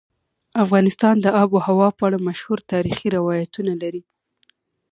افغانستان د آب وهوا په اړه مشهور تاریخی روایتونه لري.